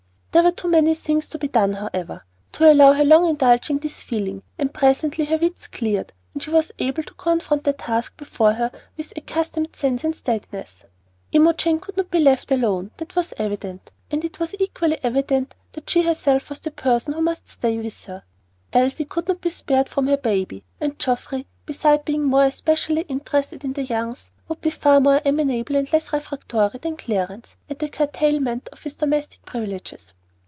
There were too many things to be done, however, to allow of her long indulging this feeling, and presently her wits cleared and she was able to confront the task before her with accustomed sense and steadiness. Imogen could not be left alone, that was evident; and it was equally evident that she herself was the person who must stay with her. Elsie could not be spared from her baby, and Geoffrey, beside being more especially interested in the Youngs, would be far more amenable and less refractory than Clarence at a curtailment of his domestic privileges.